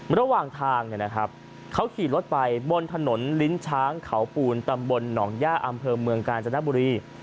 ระหว่างทางเขาขี่รถไปบนถนนลิ้นช้างเขาปูนตำบลหนองย่าอำเภอเมืองกาญจนบุรี